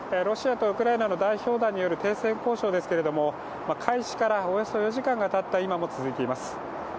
ロシアとウクライナの代表団による、停戦交渉ですけども開始からおよそ４時間がたった今も続いています。